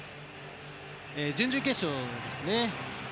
準々決勝ですね。